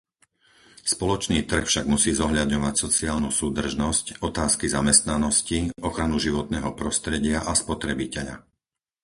Spoločný trh však musí zohľadňovať sociálnu súdržnosť, otázky zamestnanosti, ochranu životného prostredia a spotrebiteľa.